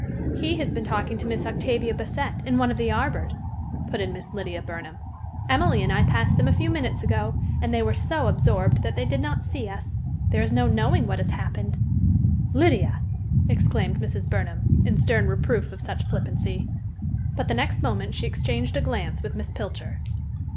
"He has been talking to Miss Octavia Bassett, in one of the arbors," put in Miss Lydia Burnham. "Emily and I passed them a few minutes ago, and they were so absorbed that they did not see us. There is no knowing what has happened." "Lydia!" exclaimed Mrs. Burnham, in stern reproof of such flippancy. But, the next moment, she exchanged a glance with Miss Pilcher.